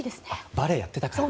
バレエやってたからね。